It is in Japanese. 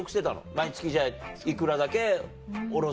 毎月じゃあいくらだけ下ろす。